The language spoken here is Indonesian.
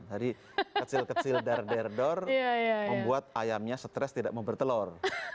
jadi kecil kecil dar dar dar membuat ayamnya stres tidak mau bertelur